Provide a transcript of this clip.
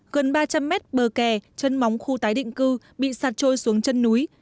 gần ba trăm linh mét bờ kè chân móng khu tái định cư bị sạt trôi xuống chân núi